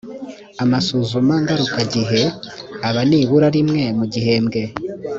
amasuzuma ngarukagihe aba nibura rimwe mu gihembwe